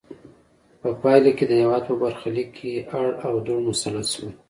په پایله کې د هېواد په برخه لیک کې اړ او دوړ مسلط شول.